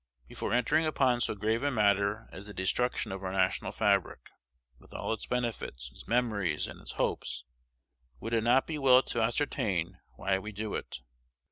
Before entering upon so grave a matter as the destruction of our national fabric, with all its benefits, its memories, and its hopes, would it not be well to ascertain why we do it?